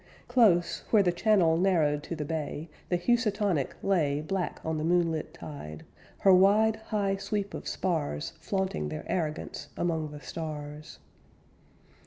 Close, where the channel Narrowed to the bay, The Housatonic lay Black on the moonlit tide, Her wide High sweep of spars Flaunting their arrogance among the stars.